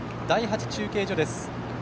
第８中継所です。